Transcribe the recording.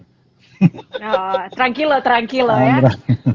oh terangkilo terangkilo ya